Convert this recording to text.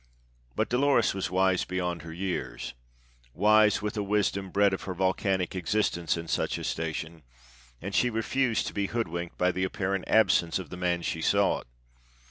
But Dolores was wise beyond her years, wise with a wisdom bred of her volcanic existence in such a station, and she refused to be hoodwinked by the apparent absence of the man she sought.